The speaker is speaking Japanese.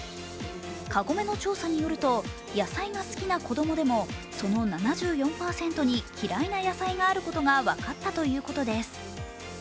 カゴメの調査によると野菜が好きな子供でもその７４％に嫌いな野菜があることが分かったということです。